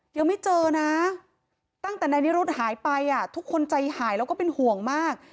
ยังไม่เจอนะตั้งแต่นายนิรุธหายไปทุกคนใจหายแล้วก็เป็นห่วงมาก